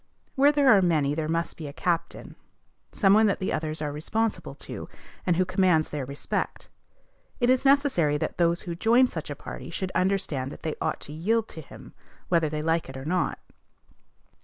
Where there are many there must be a captain, some one that the others are responsible to, and who commands their respect. It is necessary that those who join such a party should understand that they ought to yield to him, whether they like it or not.